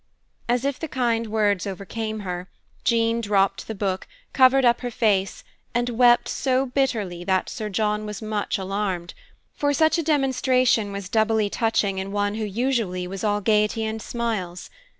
As if the kind words overcame her, Jean dropped the book, covered up her face, and wept so bitterly that Sir John was much alarmed; for such a demonstration was doubly touching in one who usually was all gaiety and smiles.